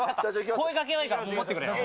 声かけはいいから持ってくれよ。